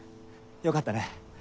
よかったね。